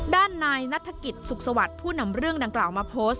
ด้านนายนัฐกิจสุขสวัสดิ์ผู้นำเรื่องดังกล่าวมาโพสต์